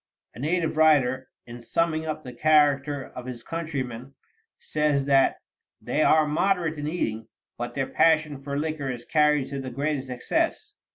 A native writer, in summing up the character of his countrymen, says that "they are moderate in eating, but their passion for liquor is carried to the greatest excess.